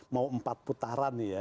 mau empat putaran ya